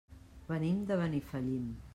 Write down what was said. Venim de Benifallim.